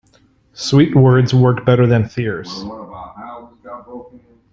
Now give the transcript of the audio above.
Sweet words work better than fierce.